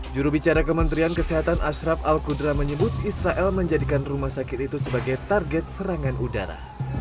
jurubicara kementerian kesehatan ashraf al kudra menyebut israel menjadikan rumah sakit itu sebagai target serangan udara